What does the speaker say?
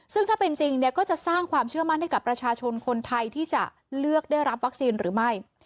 ซึ่งถ้าเป็นจริงเนี่ยก็จะสร้างความเชื่อมั่นให้กับประชาชนคนไทยที่จะเลือกได้รับวัคซีนหรือไม่